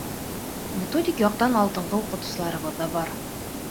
Методик яҡтан алдынғы уҡытыусыларыбыҙ ҙа бар.